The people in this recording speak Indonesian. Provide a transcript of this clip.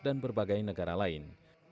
dan berbagai negara lain